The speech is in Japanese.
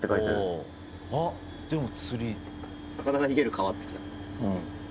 「魚が逃げる川」って来たんですか？